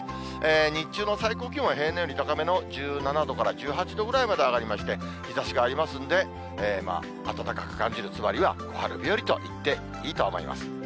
日中の最高気温は平年より高めの１７度から１８度ぐらいまで上がりまして、日ざしがありますんで、暖かく感じる、つまりは小春日和といっていいと思います。